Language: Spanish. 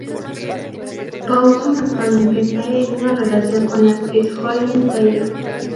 Paulson actualmente está en una relación con la actriz Holland Taylor.